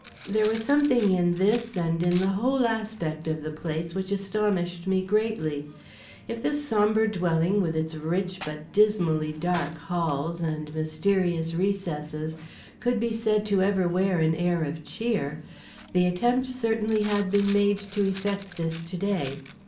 There was something in this and in the whole aspect of the place which astonished me greatly. If this sombre dwelling with its rich but dismally dark halls and mysterious recesses could be said to ever wear an air of cheer, the attempt certainly had been made to effect this to day.